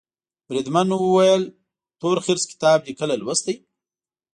بریدمن وویل تورخرس کتاب دي کله لوستی.